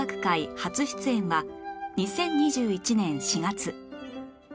初出演は２０２１年４月